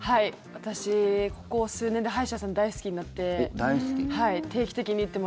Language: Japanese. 私、ここ数年で歯医者さん大好きになって